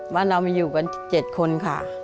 บ้านเรามีอยู่กัน๗คนค่ะ